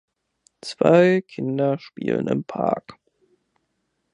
Zwei Kinder spielen im Park.